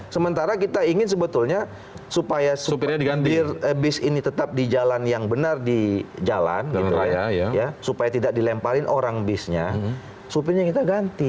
sementara kita ingin sebetulnya supaya bis ini tetap di jalan yang benar di jalan gitu ya supaya tidak dilemparin orang bisnya supirnya kita ganti